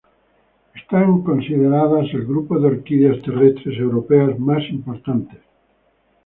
Están consideradas el grupo de orquídeas terrestres europeas más importante.